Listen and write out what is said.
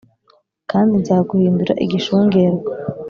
kandi nzaguhindura igishungerwa.